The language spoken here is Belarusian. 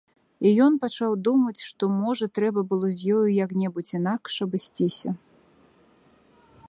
І ён пачаў думаць, што, можа, трэба было з ёю як-небудзь інакш абысціся?